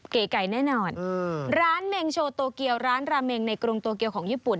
เก๋ไก่แน่นอนร้านเมงโชโตเกียวร้านราเมงในกรุงโตเกียวของญี่ปุ่น